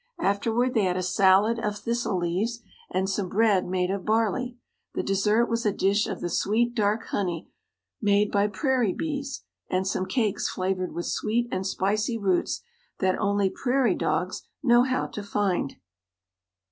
Afterward they had a salad of thistle leaves, and some bread made of barley. The dessert was a dish of the sweet, dark honey made by prairie bees, and some cakes flavored with sweet and spicy roots that only prairie dogs know how to find.